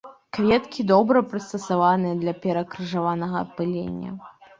Кветкі добра прыстасаваныя для перакрыжаванага апылення.